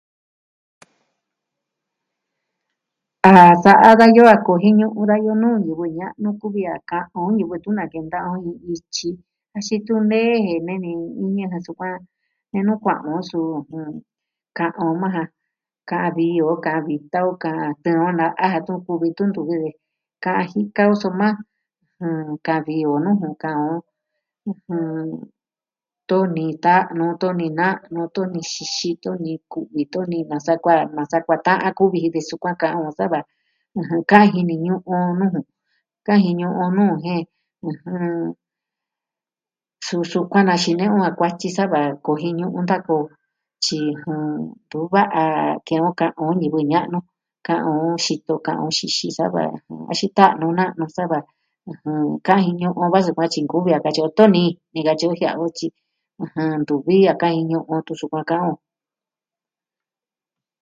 A sa'a dayoo a kojiñu'u dayo nuu ñivɨ ña'nu kuvi a ka'an o ñivɨ tun nakenta'an o iin ityi, axin tu'un nee je nee ni iin ña'an ja sukuan. Nenu kua'an o suu, ka'an o maa ja. Ka'an vi o ka'an vi tan o ka'an. Tɨɨn o na aja tu kuvi tu'un tu nku vivi. Ka'an jika o soma. Ka'an vi o nuju ka'an o. Tonii, ta'nu, tonii, na'nu, tonii xixi, tonii ku'vi, tonii nasa kuaa, nasa kuaa ta'an kuvi jin tee sukua'a kaa sava. ɨjɨn, Kaji ni ñu'un nuu ju. Kaji ñu'un nuu, jen, Susukua'a na xine'e o a kuatyi sava kujiñu'u tan koo. Tyi, tuva'a ke'en o ka'an o ñivɨ ña'nu. Ka'on, xito. Ka'an o xixi. Sava axin ta'nu, na'nu saa va. Ka jini o va sukua'a tyi nkuvi a katyi o tonii. Ni katyi o jia'a o tyi, ntuvi a ka'an ini o va tun sukua'a ka'an o.